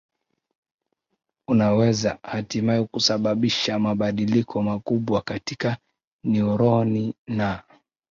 unaweza hatimaye kusababisha mabadiliko makubwa katika neuroni na